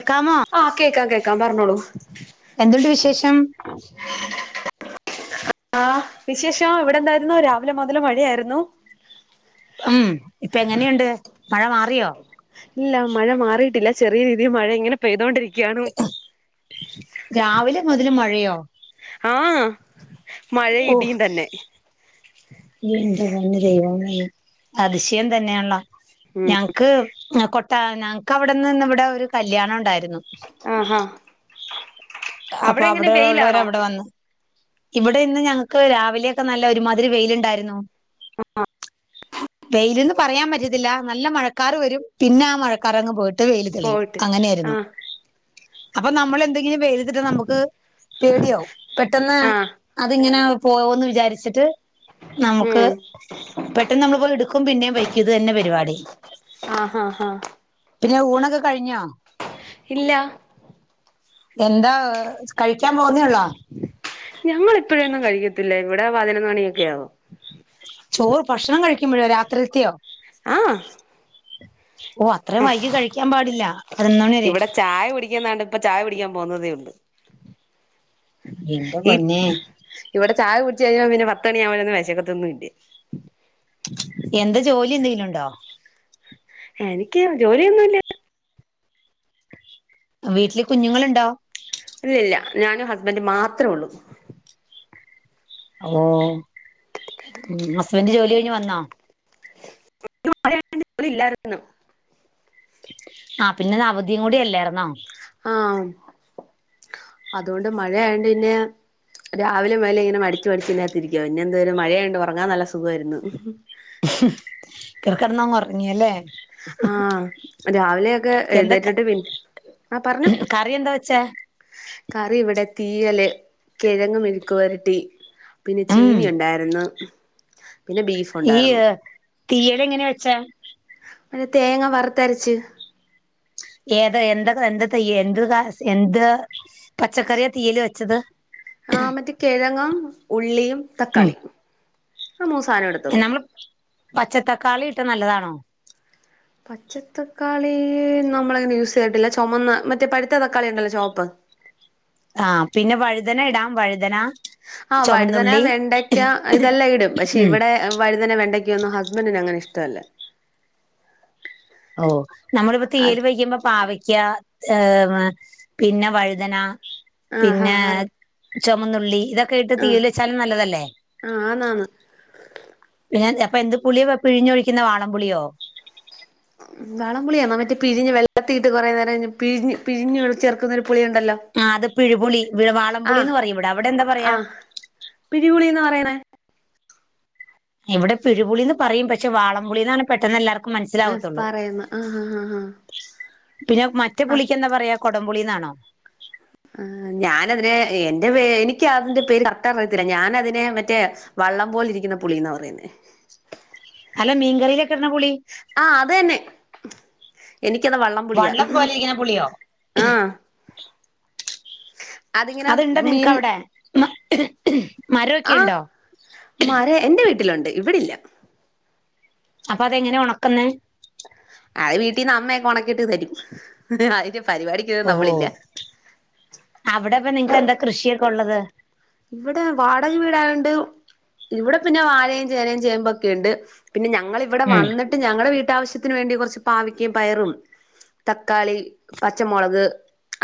കേക്കാമോ ആഹ കേക്കാം കേക്കാം പറഞ്ഞോളൂ എന്തുണ്ട് വിശേഷം ആ വിശേഷം ഇവിടെ എന്തായിരുന്നു രാവിലെ മുതല് മഴ യായിരുന്നു. ഉം ഇപ്പ എങ്ങനെയുണ്ട് മഴ മാറിയോ ഇല്ല മഴ മാറിയിട്ടില്ല ചെറിയ രീതിയിൽ മഴ ഇങ്ങനെ. പെയ്തോണ്ടിരിക്കയാണ് രാവിലെ മുതല് മഴയോ ആഹ. ഓ എന്റെ പൊന്നു ദൈവമേ അതിശയം തന്നെയാണല്ലോ ഉം ഞങ്ങക്ക്. കൊട്ട ഞങ്ങക്ക് അവിടെന്ന് ഇവിടെ ഒരു കല്യാണം ഉണ്ടായിരുന്നു. ആഹാ അപ്പൊ എങ്ങനെ അവിടെ ഉള്ളവര് വെയിലാണോ അവിടെ വന്നു. ഇവിടെ ഇന്ന് ഞങ്ങക്ക് രാവിലെയൊക്കെ നല്ല ഒരുമാതിരി വെയിലുണ്ടായിന്നു ആ വെയിലന്നന്ന് പറയാൻ പറ്റത്തില്ല നല്ല മഴക്കാർ വരും പിന്നെ ആ മഴക്കാാരങ്ങ് പോയിട്ട്. ് വെ യ്ല് തെളിയും പോയിട്ട് അങ്ങനെയായിരുന്നു ആഹ് അപ്പൊ നമ്മൾ എന്തെങ്കിലും വെയിലത്തിട്ട നമുക്ക്. പേടിയോ പെട്ടെന്ന് ആഹ് അതിങ്ങനെ പോവോന്ന് വിചാരിച്ചിട്ട്. നമുക്ക് ഉം പെട്ടെന്ന് നമ്മളി പോയി എടുക്കും പിന്നേും വയ്ക്ക ഇത് തന്നെ പരിപാടി. ആഹ് ആഹ ആഹ പിന്നെ ഊണൊക്കെ കഴിഞ്ഞോ ഇല്ല എന്താ കഴിക്കാൻ പോുന്നേള്ളാ. ഞങ്ങൾ ഇപ്പോഴൊന്നും കഴിക്കത്തില്ല ഇവിടെ പതിനൊന്ന് മണിയൊക്കെ ആവോ. ചോറ് ഭക്ഷണം കഴിക്കുമ്പോഴോ രാത്രിത്തിയോ? ആഹ് ഓ അത്രയും വൈകി കഴിക്കാൻ പാടില്ല പതിനൊന്ന് മണി വരെ. ഇവിടെ ചായ കുടി ണ്ട് ഇപ്പൊ ചായ കുടിക്കാൻ പോകുന്നതേ ഉണ്ട് എന്റെ ഇ പൊന്നെ വിടെ ചായ കുടിച് കഴിഞ്ഞ പിന്നെ പത്ത് മണിയുമ്പോ ഒന്ന് വെശക്കത്തി ഇില്ല. എന്ത് ജോലി എന്തെങ്കിലും ഉണ്ടോ? എനിക്ക് ജോലിയൊന്നുല്ല. വീട്ടില് കുഞ്ഞുങ്ങളുണ്ടോ? ഇല്ലല്ല ഞാനും ഹസ്ബൻഡും മാത്രമേ ഉള്ളൂ. ഓ ഉ ഹസ്ബൻഡ് ജോലി കഴിഞ്ഞ് വന്നാ? [unintelligible] ആ പിന്നെ ഇന്ന് അവധിയും കൂടി അല്ലായിരുന്നോ? ആഹ അതുകൊണ്ട് മഴയായോണ്ട് പിന്നെ. രാവിലെ മേലെ ഇങ്ങനെ മടിച്ചച്ച് മടിച്ച്തിനകത്തിരിക്ക പിന്നെ എന്ത മഴയുണ്ട് ഉറങ്ങാൻ നല്ല സുഖമായിരുന്നു. ഹി അവിടെ കിടന്ന ങ്ങ് ഉറങ്ങിയല്ലേ? ആഹ് രാവിലെയൊക്കെ എന്തൊക്കെ എഴുന്നേറ്റിട്ട് പിന്നെ ആ പറഞ്ഞോ? കറി എന്താ വെച്ചാ? കറി ഇവിടെ തീയല് കിഴങ്ങ് മെഴുക്കുവരട്ടീ. പിന്നെ ഉം ചീനി ഉണ്ടായിരുന്നു. പിന്നെ ബീഫ് ഉണ്ടായിരുന്നു ഈയ് തീയല് എങ്ങനെ വെച്ചാ? മറ്റേ തേങ്ങ വറുത്തരച്ച്. ഏതാ എന്തൊ എന്ത ത്യ എന്ത് എന്ത് പച്ചക്കറിയ തീ്യൽ വെച്ചത്? ആ മറ്റേ െകഴങ്ങും, ഉള്ളിയും, ഉം തക്കാളിയും ആ മൂന്ന് സാധനം എടുത്തുള്ളൂ. [unintelligible] പച്ചത്തക്കാളി ഇട്ട നല്ലതാണോ? പച്ചത്തക്കാളി നമ്മളങ്ങനെ യൂസ് ചെയ്തിട്ടില്ല. ചുമന്ന മറ്റേ പഴുത്ത തക്കാളി ഉണ്ടല്ലോ ചൊമപ്പ്. ആ പിന്നെ വഴുതന ഇടാം വഴുതന. ആ് വഴുതന ചുമന്നുള്ളി വെണ്ടയ്ക്ക ഇതെല്ലാം ഇടും പക്ഷെ ഉം ഇവിടെ. വഴുതന വെണ്ടയ്ക്കോന്നും ഹസ്ബൻഡറിന് അങ്ങന ഇഷ്ടല്ല. ഓ നമ്മളിവിടെ ആഹ് തീയല് വെക്കുമ്പോ പാവയ്ക്ക. ഏ പിന്നെ വഴുതന ആഹ് പിന്നെ. ആറ് ചൊമന്നുള്ളി ഇതൊക്കെ ഇട്ട് ആഹ് തീയൽ വെച്ചാലും നല്ലതല്ലേ? ആഹ് ആന്നാന്ന് പിന്നെ അപ്പൊ എന്ത് പുളിയോ പിഴിഞ്ഞൊഴിക്കുന്ന വാളം പുളിയോ? വാളം പുളിയ മറ്റേ പിഴിഞെടുത്തിട്ട് കുേ നേരം പിഴഞ് പിഴഞ്ഞഞ് ചേർക്കുന്നൊരു പുളിയുണ്ടല്ലോ. ആ അത് പിഴി പുളി ആഹ് വാളംപുളിന്ന് പറയും ഇവിടെ അവിടെ എന്താ പറയാ? പിഴിപുളി ന്ന പറ യുന്നത്. ഇവിടെ പിഴുപുളിന്ന് പറയും പക്ഷേ വാളം പുളിന്നാണ് പെട്ടെന്ന് എല്ലാവർ ക്കും ആഹ് മനസ്സിലാവത്തൊള്ളൂ. പറയുന്ന ആഹ് ആഹ് ആഹ് പിന്നെ മറ്റേ ആഹ് പുളിക്ക് എന്താ പറയാ കൊടംപുളിന്നാണോ? ആ ഞാനതിനെ എന്റെ പേ എനിക്ക് അതിന്റെ പേര് കറക്റ്റ് അറിയത്തില്ല ഞാനതിനെ മറ്റേ വള്ളം പോലിരിക്കുന്ന പുളിന്നാ പറയുന്നേ. അല്ല മീൻകറിയിലൊക്കെ ഇടുന്ന പുളി. ആഹ അത് തന്നെ എനിക്കത് വള്ളംപുളിയാ വള്ളം പോലെ ഇരിക്കുന്ന പുളിയോ ആഹ അതിങ്ങനെ അത്ണ്ടോ നിങ്ങക്ക് മീൻ അവിടെ മരമൊക്കെയുണ്ടോ? എൻറെ വീട്ടിലുണ്ട് ഇവിടെയില്ല. അപ്പൊ അതെങ്ങനെ ഒണകുന്നെ? അയ് വീട്ടീന്ന് അമ്മ ഒണക്കിട്ട് തരും അതിന്റെ പരിപാടി. ഓ അവിടെപ്പ നിങ്ങക്ക് എന്താ കൃഷിയൊക്കെ ഉള്ളത്? ഇവിടെ വാടക വീടായോണ്ട്. ഇവിടെ പിന്നെ വാഴയും ചേനയും ചേമ്പോക്കെയുണ്ട് പിന്നെ ഞങ്ങൾ ഇവിടെ ഉം വന്നിട്ട് ഞങ്ങളുടെ വീട്ടാവശ്യത്തിന് വേണ്ടി കുറച്ച് പാവക്കയും പയറും. തക്കാളി പച്ചമുളക്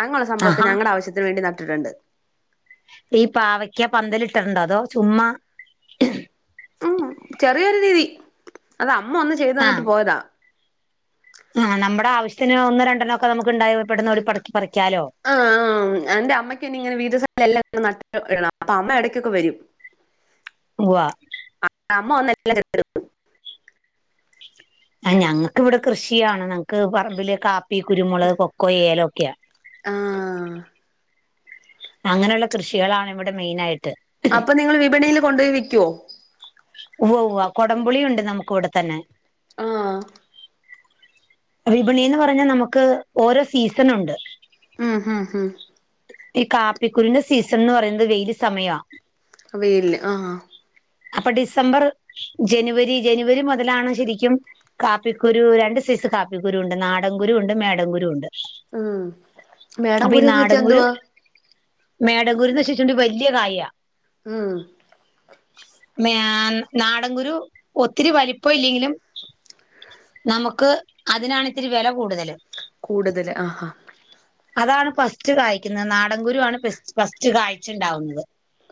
അങ്ങനയുള്ള സംഭവങ്ങളൊക്കെ ആഹാ ഞങ്ങളുടെ ആവശ്യത്തിന് വേണ്ടി നട്ടിട്ടുണ്ട്. ഈ പാവയ്ക്ക പന്തലിട്ടട്ണ്ടോ അതോ ചുമ്മാ. ഊ ചെറിയൊരു രീതി അത് അമ്മ ഒന്ന് ചെയ്ത് തന്നിട്ട് പോയതാ. ആഹ് നമ്മുടെ ആവശ്യത്തിന് ഒന്ന് രണ്ടെണ്ണം ഒക്കെ നമുക്ക്ണ്ടായി പെട്ടെന്ന്ഓടി പറി പറിക്കാലോ. ആഹ് ആ എന്റെ അമ്മയ്ക്കെനി ഇങ്ങനെ വീട്സലം എല്ലാം നട്ട്ട്ടങ്ങ് ഇടണം അപ്പൊ അമ്മ ഇടക്കൊക്കെ വരും. ഉവ്വാ അമ്മ വന്ന എല്ലാം ചെയ്തെരും. ആ ഞങ്ങക്കിവിടെ കൃഷിയാണ് ഞങ്ങക്ക് പറമ്പില് കാപ്പി കുരുമുളക് കൊക്കോ ഏലൊക്കെയാ. ആഹ് അങ്ങനെയുള്ള കൃഷികളാണ് ഇവിടെ മെയിനായിട്ട്. അപ്പൊ നിങ്ങൾ വിപണിയിൽ കൊണ്ട്പോയി വിക്കോ? ഉവ്വ്, ഉവ്വ്, കൊടംപുളിയുണ്ട് നമുക്ക് ഇവിടെ തന്നെ. ആഹ്. വിപണിന്ന് പറഞ്ഞാൽ നമുക്ക് ഓരോ സീസൺ ഉണ്ട്. ഉം ഹും ഹും. ഈ കാപ്പിക്കുരുന്റെ സീസൺന്ന് പറയുന്നത് വെയിൽ സമയാ. വെയിൽ, ആഹ്. അപ്പൊ ഡിസംബർ ജനുവരി ജനുവരി മുതലാണ് ശെരിക്കും. കാപ്പിക്കുരു രണ്ട് സൈസ് കാപ്പിക്കുരു ഉണ്ട് നാടൻകുരു ഉണ്ട് മേടം കുരുണ്ട്. ഉം മേഡം കുരുന്ന് കുരു എന്തുവാ മേടങ്കൂരുന്ന് വെച്ച വല്യ കായ. ഉം നാ നാടൻകുരു ഒത്തിരി വലിപ്പ ഇല്ലെങ്കിലും, നമുക്ക് അതിനാണ്ത്തിരി വെല കൂടുതലും. കൂടുതല് ആഹാ. അതാണ് ഫസ്റ്റ് കായ്ക്കുന്നത് നാടൻകുരു ആണ് ഫസ്റ്റ് ഫസ്റ്റ് കായ്ച്ചുണ്ടാവുന്നത്.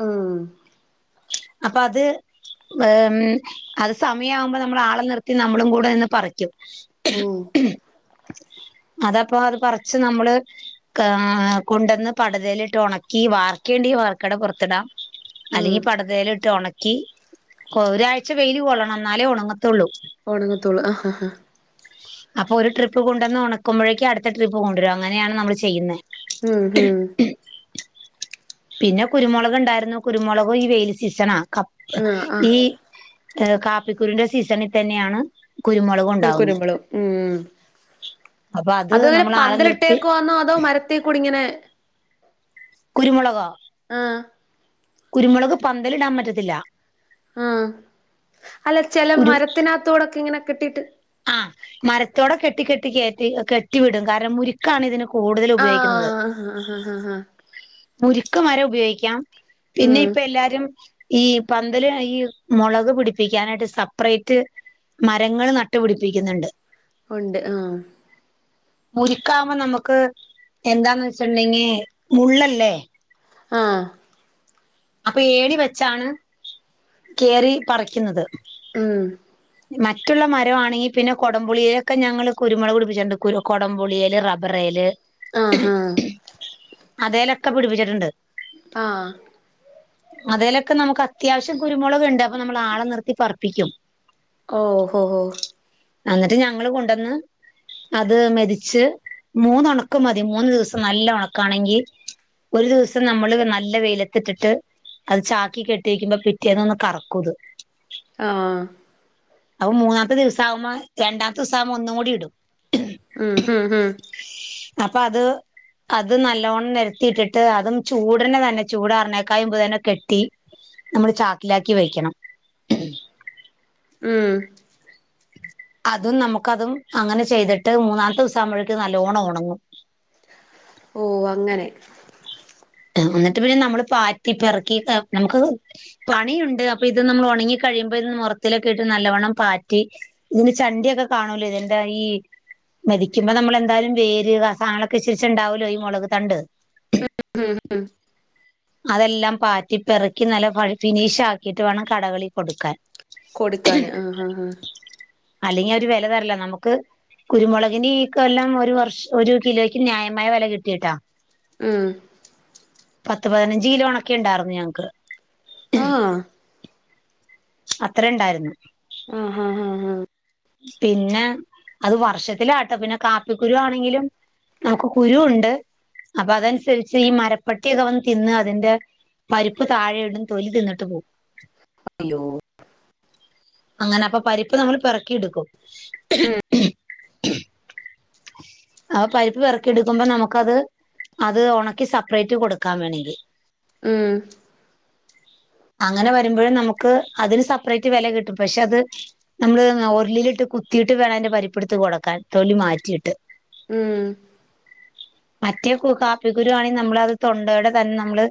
ഉം.. അപ്പൊ അത് അത് സമയവുമ്പോ നമ്മൾ ആളെ നിർത്തി നമ്മളും കൂടെ നിന്ന് പറിക്കും. ഉം അതപ്പൊ അത് പറച്ച് നമ്മള്, കൊണ്ടന്ന് പടതയിലിട്ട് ഉണക്കി വാർക്കേണ്ടി വാർക്കട പുറത്തിടാം. ഉം അല്ലെങ്കി അടുതല ഇട്ട് ഉണക്കി ഒരാഴ്ച വെയില് കൊള്ളണം എന്നാലേ ഉണങ്ങത്തുള്ളൂ. ഒണങ്ങത്തോളൂ ആ ഹാ ഹാ. അപ്പൊ ഒരു ട്രിപ്പ് കൊണ്ടുവന്ന് ഉണക്കുമ്പോഴേക്കും അടുത്ത ട്രിപ്പ് കൊണ്ടുവരു അങ്ങനെയാണ് നമ്മൾ ചെയ്യുന്നത്. ഉം ഉം പിന്നെ കുരുമുളക് ഉണ്ടായിരുന്നു കുരുമുളക്, അപ്പൊ ഈ വെയിൽ സീസണാ ക ആഹ് ആഹ് ഈ ഏഹ് കാപ്പിക്കുരുന്റെ സീസണിൽ തന്നെയാണ് കുരുമുളക്. കുരു ഉണ്ടാവുന്നത് കുരുമുളകും ഉം അപ്പൊ അത് അതോ ഇങ്ങനെ നമ്മൾ ആളെ നിർത്തി പന്തലിട്ടേക്കാന്നോ അതോ മര ത്തിക്കൂടി ഇങ്ങനെ കുരുമുളകോ? ആഹ്. കുരുമുളക് പന്തലിടാൻ പറ്റത്തില്ല. ആഹ് അല്ല ചെല മരത്തിനകത്തോടൊക്കെ ഇങ്ങനെ കെട്ടീട്ട്. ആ് മരത്തോടെ കെട്ടി കെട്ടി കയറ്റി കെട്ടി വിടും കാരണം മുരുക്കാണ് ഇതിന് കൂടുതൽ ഉപയോഗിക്കുന്നത്. ആഹ് ആഹ് ഹ ഹ മുരുക്ക് മരം ഉപയോഗിക്കാം പിന്നെ ഉം ഇപ്പൊ എല്ലാരും. ഈ പന്തല് ഈ മുളക് പിടിപ്പിക്കാനായിട്ട് സെപ്പറേറ്റ്, മരങ്ങള് നട്ടുപിടിപ്പിക്കുന്നുണ്ട്. ഉണ്ട് ആഹ്. മുരിക്കാവുമ്പോ നമുക്ക് എന്താന്ന് വെച്ചിട്ടുണ്ടെങ്കിൽ മുള്ളല്ലേ ആഹ് അപ്പൊ ഏണി വെച്ചാണ് കേറി പറിക്കുന്നത് ഉം മറ്റുള്ള മരമാണെങ്കിൽ പിന്നെ കുടംപുളിയിലൊക്കെ ഞങ്ങൾ കുരുമുളക് പിടിപ്പിച്ചിട്ടുണ്ട് കു കുടംപുളിയൽ റബ്ബറേൽ ആഹ് ആഹ് അതേലൊക്കെ പിടിപ്പിച്ചിട്ടുണ്ട് ആഹ് അതേലൊക്കെ നമുക്ക് അത്യാവശ്യം കുരുമുളക് ഉണ്ട് അപ്പൊ നമ്മൾ ആളെ നിർത്തി പറിപ്പിക്കും ഓഹ് ഹോ ഹോ അന്നിട്ട് ഞങ്ങള് കൊണ്ടന്ന് അത് മെതിച്ച് മൂന്ന് ഉണക്ക് മതി മൂന്ന് ദിവസം നല്ല ഉണക്കാണെങ്കിൽ ഒരു ദിവസം നമ്മള് നല്ല വെയിലത്തിട്ടിട്ട് അത് ചാക്കി കെട്ടിക്കുമ്പോ പിറ്റേന്ന ഒന്ന് കറക്കൂത് ആഹ് അപ്പൊ മൂന്നാമത്തെ ദിവസ ആകുമ്പോ രണ്ടാമത്തെ ദിവസ ആവുമ്പോ ഒന്നും കൂടി ഇടും ഉം ഉം അപ്പൊ അത് അത് നല്ലോണ്ണം നിരത്തിയിട്ടിട്ട് അതും ചൂടന് തന്നെ ചൂട് ആറിണേക്കായുമ്പ തന്നെ കെട്ടി നമ്മള് ചാക്കിലാക്കി വെക്കണം ഉം അതും നമുക്കതും അങ്ങനെ ചെയ്തിട്ട് മൂന്നാമത്തെ ദിവസാകുമ്പോഴേക്ക് നല്ലോണം ഉണങ്ങും ഓഹ് അങ്ങനെ എന്നിട്ട് പിന്നെ നമ്മള് പാറ്റി പിറക്കി നമുക്ക് പണിയുണ്ട് അപ്പൊ ഇത് നമ്മൾ ഉണങ്ങി കഴിയുമ്പോ ഇത് മുറത്തിലൊക്കെ ഇട്ട് നല്ലവണം പാറ്റി ഇതിന് ചണ്ടിയൊക്കെ കാണൂലെ ഇതിന്റെ ഈ മെതിക്കുമ്പോ നമ്മളെന്തായാലും വേര് കാളൊക്കെ ഇച്ചിരിച്ചുണ്ടാവല്ലോ ഈ മുളക് തണ്ട് ഉം ഉം അതെല്ലാം പാറ്റി പെറുക്കി നല്ല ഫിനിഷ് ആക്കിയിട്ട് വേണം കടകളി കൊടുക്കാൻ കൊടുക്കാന് ആഹ് ആഹ് ആഹ് അല്ലെങ്കിൽ അവര് വെല തരല്ല നമുക്ക് കുരുമുളകിന് ഈ കൊല്ലം ഒരു വർഷം ഒരു കിലോയ്ക്ക് ന്യായമായ വില കിട്ടിയിട്ടാ ഉം പത്ത് പതിനഞ്ച് കിലോ ഒണക്കിണ്ടായിരുന്നു ഞങ്ങൾക്ക് ആഹ് അത്ര ണ്ടായിരുന്നു ആഹ് ഹഹ ആഹ് ഹഹ പിന്നെ അത് വർഷത്തിലാട്ടെ പിന്നെ കാപ്പിക്കുരു ആണെങ്കിലും നമുക്ക് കുരു ഉണ്ട് അപ്പൊ അതനുസരിച്ച് ഈ മരപ്പട്ടിയൊക്കെ വന്ന് തിന്ന് അതിന്റെ പരിപ്പ് താഴെയടും തൊലി തിന്നിട്ട് പോവും ഹലോ അങ്ങനെ അപ്പൊ പരിപ്പ് നമ്മള് പെറക്കിടുക്കും ഉം ആഹ് പരിപ്പ് പെറക്കി എടുക്കുമ്പോ നമുക്കത് അത് ഒണക്കി സെപ്പറേറ്റ് കൊടുക്കാൻ വേണങ്കിൽ ഉം [inaudible] അങ്ങനെ വരുമ്പോഴും നമുക്ക് അതിന് സെപ്പറേറ്റ് വെല കിട്ടും പക്ഷെ അത് നമ്മള് ഉള്ളിലിട്ട് കുത്തിയിട്ട് വേണയ്ന്റെ പരിപ്പ് എടുത്ത് കൊടുക്കാൻ തൊലി മാറ്റിയിട്ട് ഉം മറ്റേ കു കാപ്പി കുരുവാണെ നമ്മള് അത് തൊണ്ടയോടെ തന്നെ നമ്മള്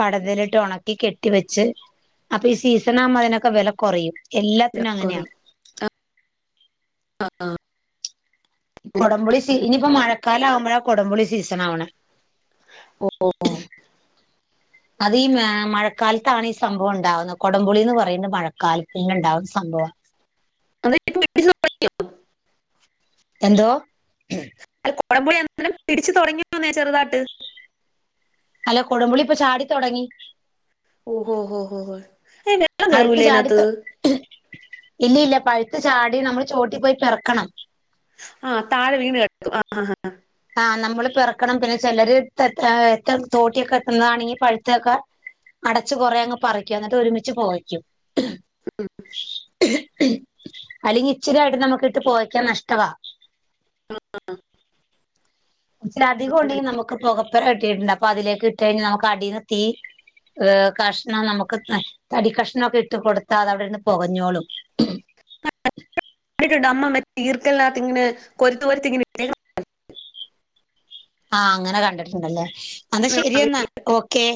പടതലിട്ട് ഒണക്കി കെട്ടി വെച്ച് അപ്പൊ ഈ സീസണാമ്പോ അതിനൊക്കെ വെല കൊറയും എല്ലാത്തിനും അങ്ങനെയാ കൊറി കൊടംപുളി സീ ഇനിപ്പോ മഴക്കാലം ആവുമ്പഴാ കൊടംപുളി സീസണാവണെ ഓഹ് [inaudible] അത് ഈ മഴക്കാലത്താണ് ഈ സംഭവം ഉണ്ടാവുന്നത് കൊടംപുളിന്ന് പറയുന്നത് മഴക്കാലത്തന്നെ ഉണ്ടാവുന്ന സംഭവ [unintelligible] എന്തോ അല്ല കുടമ്പുളി അന്നേരം പിടിച്ച് തുടങ്ങിയെന്നേ ചെറുതാട്ട് അല്ല കൊടുമ്പുളി ഇപ്പൊ ചാടിത്തൊടങ്ങി ഓഹോ ഓഹോ പഴുത്തു ചാടി തൊ ഇല്ല ഇല്ല പഴുത്ത് ചാടി നമ്മള് ചോട്ടി പോയി പെറക്കണം ആഹ് താഴെ വീണ് കെടക്കും ആഹ് ആ നമ്മള് പെറക്കണം പിന്നെ ചിലര് തോട്ടിയൊക്കെ എത്തുന്നതാണെങ്കി പഴുത്തൊക്കെ അടച്ചു കുറേ അങ്ങ് പറിക്കും എന്നിട്ട് ഒരുമിച്ച് പൊകയ്ക്കും അല്ലെങ്കി ഇച്ചിരിയാട്ട് നമുക്ക്‌ട്ട് പോകയ്ക്കാൻ നഷ്ടവാ ആഹ് ഇച്ചിരി അധികംണ്ടെങ്കിൽ നമുക്ക്‌ പൊകപ്പര കെട്ടിട്ടുണ്ട് അപ്പ അതിലേക്ക്ട്ടഴിഞ്ഞാ നമുക്ക് അടിന്ന് തീ ഏഹ് കഷ്ണം നമുക്ക് തടി കഷ്ണംക്കെ ഇട്ട് കൊടുത്താ അതവിടെന്ന് പൊകഞ്ഞോളും കണ്ടിട്ടുണ്ട് അമ്മ മറ്റേ ഈർക്കലിനാത്തിങ്ങനെ കൊര്ത്ത് കൊരുത്തിങ്ങനെ ഇട്ടേക്കുന്ന കണ്ടിട്ടുണ്ട് ആഹ അങ്ങനെ കണ്ടിട്ടുണ്ടല്ലേ അന്നാ ആ ശരിയെന്നാ ഓക്കെ